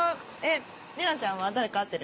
玲奈ちゃんは誰か会ってる？